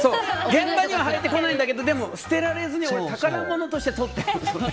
現場にははいてこないんだけど捨てられずに宝物としてとってあるのね。